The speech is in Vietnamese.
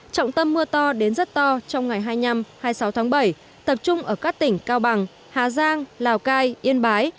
trọng tâm mưa to đến rất to trong ngày hai mươi năm hai mươi sáu tháng bảy tập trung ở các tỉnh cao bằng hà giang lào cai yên bái